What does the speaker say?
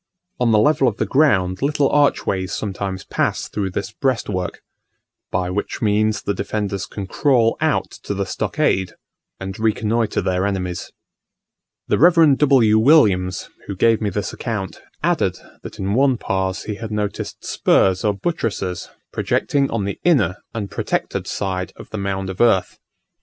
On the level of the ground little archways sometimes pass through this breastwork, by which means the defenders can crawl out to the stockade and reconnoitre their enemies. The Rev. W. Williams, who gave me this account, added, that in one Pas he had noticed spurs or buttresses projecting on the inner and protected side of the mound of earth.